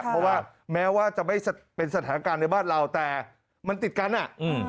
เพราะว่าแม้ว่าจะไม่เป็นสถานการณ์ในบ้านเราแต่มันติดกันอ่ะอืม